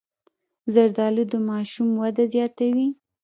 زردالو د ماشوم وده زیاتوي.